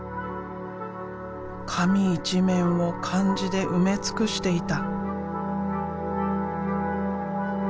紙一面を漢字で埋め尽くしていた。